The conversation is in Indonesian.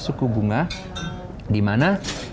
suku bunga dimana